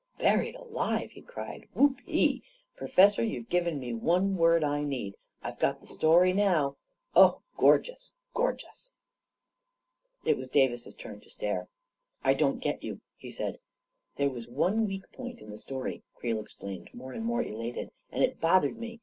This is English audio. "Buried alive!" he cried. "Whoopee! Pro fessor, you've given me the one word I needed! I've got the story now I Oh, gorgeous, gorgeous !" It was Davis's turn to st^re. " I don't get you," he said. " There was one weak point in die story," Creel explained, more and more elated, " and it bothered me.